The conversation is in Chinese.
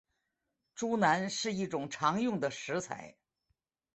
猪腩是一种常用的食材。